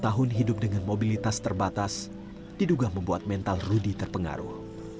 dua puluh tahun hidup dengan mobilitas terbatas diduga membuat mental rudy terpengaruh